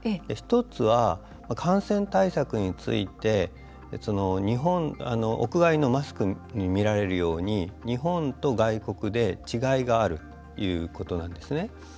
１つは、感染対策について屋外のマスクにみられるように日本と外国で違いがあるということなんですね。